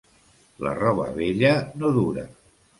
La roba vella no dura.